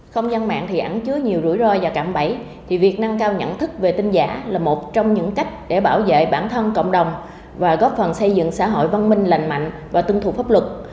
không gian mạng thì ảnh chứa nhiều rủi ro và cạm bẫy thì việc nâng cao nhận thức về tin giả là một trong những cách để bảo vệ bản thân cộng đồng và góp phần xây dựng xã hội văn minh lành mạnh và tương thụ pháp luật